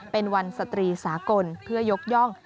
เป็นวันสตรีสากลเพื่อยกย่อง